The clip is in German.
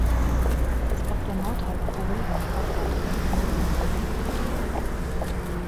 Sie ist auf der Nordhalbkugel weitverbreitet.